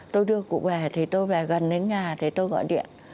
tôi đưa cụ về thì tôi về gần đến nhà thì tôi gọi điện